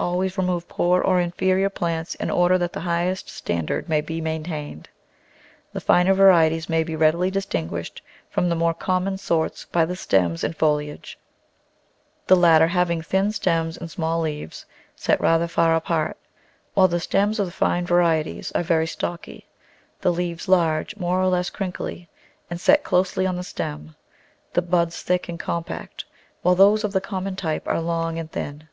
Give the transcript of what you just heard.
Always remove poor or inferior plants in order that the highest standard may be maintained; the finer varieties may be readily distinguished from the more common sorts by the stems and foliage; the latter having thin stems and small leaves, set rather far apart, while the stems of the fine varieties are very stocky; the leaves large, more or less crinkly, and set closely on the stem ; the buds thick and com pact, while those of the common type are long and thin.